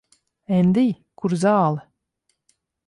Endij, kur zāle?